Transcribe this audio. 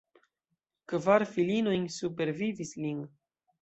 Kvar filinoj supervivis lin.